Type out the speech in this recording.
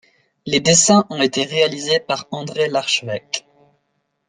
Les dessins ont été réalisés par André L'Archevêque.